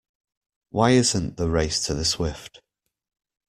Why isn't the race to the swift?